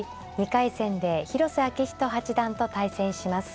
２回戦で広瀬章人八段と対戦します。